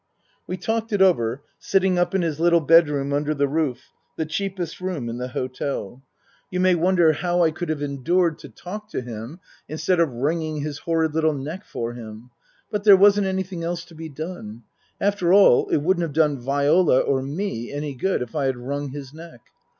We talked it over, sitting up in his little bedroom under the roof, the^cheapest room in the hotel. You may wonder Tasker Jevons how I could have endured to talk to him instead of wringing his horrid little neck for him ; but there wasn't anything else to be done. After all, it wouldn't have done Viola or me any good if I had wrung his neck.